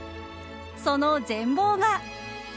その全貌が。